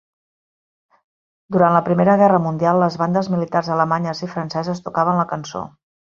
Durant la Primera Guerra Mundial, les bandes militars alemanyes i franceses tocaven la cançó.